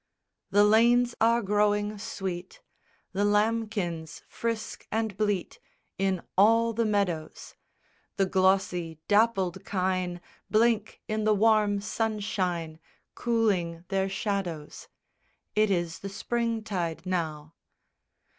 _ II _The lanes are growing sweet, The lambkins frisk and bleat In all the meadows: The glossy dappled kine Blink in the warm sunshine, Cooling their shadows. It is the Spring tide now.